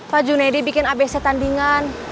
pak junedi bikin abc tandingan